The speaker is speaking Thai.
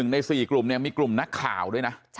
๑ใน๔กลุ่มมีกลุ่มนักข่าวด้วยนะ